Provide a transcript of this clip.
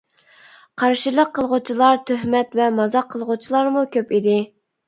قارشىلىق قىلغۇچىلار، تۆھمەت ۋە مازاق قىلغۇچىلارمۇ كۆپ ئىدى.